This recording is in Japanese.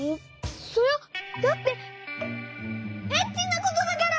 そりゃあだってエッチなことだから。